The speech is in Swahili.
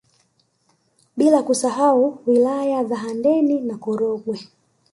Bila kusahau wilaya za Handeni na Korogwe